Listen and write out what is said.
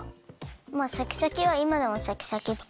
まあシャキシャキはいまでもシャキシャキっぽいけどね。